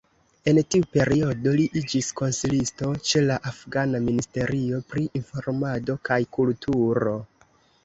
En tiu periodo li iĝis konsilisto ĉe la afgana Ministerio pri Informado kaj Kulturo.